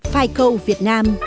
fico việt nam